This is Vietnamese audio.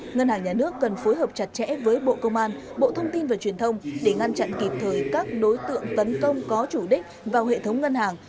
ngân hàng nhà nước cần phối hợp chặt chẽ với bộ công an bộ thông tin và truyền thông để ngăn chặn kịp thời các đối tượng tấn công có chủ đích vào hệ thống ngân hàng